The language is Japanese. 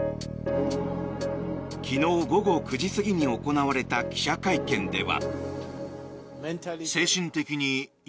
昨日午後９時過ぎに行われた記者会見では。